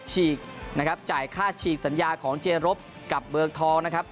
ฉีกนะครับจ่ายค่าฉีกสัญญาของเจรบกับเมืองทองนะครับ